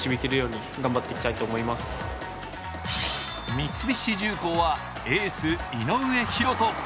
三菱重工はエース・井上大仁。